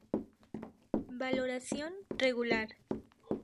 Valoración: regular.